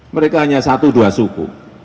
mereka hanya satu dua suku